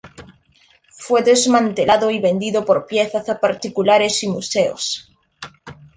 Fue desmantelado y vendido por piezas a particulares y museos.